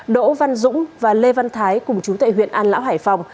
đỗ văn dũng và lê văn thái cùng chú tệ huyện an lão hải phòng